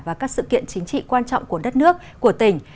và các sự kiện chính trị quan trọng của đất nước của tỉnh